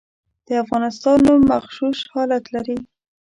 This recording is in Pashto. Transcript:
د افغانستان نوم مغشوش حالت لري.